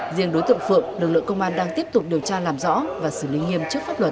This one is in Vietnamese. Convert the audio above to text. riêng đối tượng phượng lực lượng công an đang tiếp tục điều tra làm rõ và xử lý nghiêm trước pháp luật